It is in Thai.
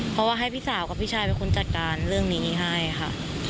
เพราะว่าให้พี่สาวกับพี่ชายเป็นคนจัดการเรื่องนี้ให้ค่ะ